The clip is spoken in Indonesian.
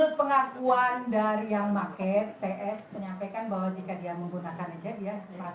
ingat kalau tidak temannya yang berkunjung saja itu peny seribu sembilan ratus sembilan puluh delapan